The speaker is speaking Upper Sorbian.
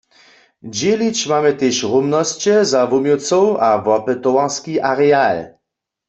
Dźělić mamy tež rumnosće za wuměłcow a wopytowarski areal.